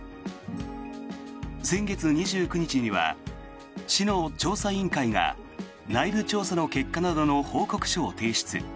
先月２９日には市の調査委員会が内部調査の結果などの報告書を提出。